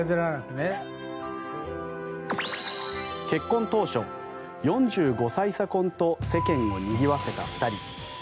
結婚当初、４５歳差婚と世間をにぎわせた２人。